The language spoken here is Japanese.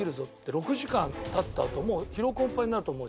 ６時間経ったあともう疲労困憊になると思うじゃん。